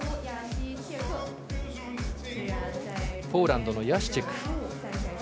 ポーランドのヤシチェック。